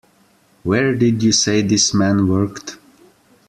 Where did you say this man worked?